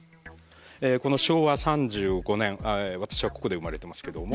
この昭和３５年私はここで生まれてますけども。